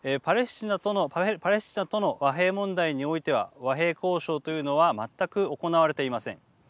パレスチナとの和平問題においては和平交渉というのは全く行われていません。